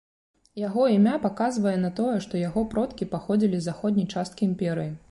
Яго імя паказвае на тое, што яго продкі паходзілі з заходняй часткі імперыі.